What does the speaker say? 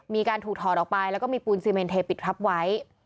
มีการถูกถอดออกไปแล้วก็มีปูนซีเมนเทปิดทับไว้